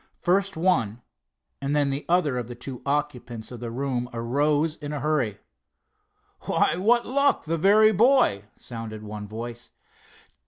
First one, and then the other of the two occupants of the room arose in a hurry. "Why, what luck—the very boy!" sounded one voice.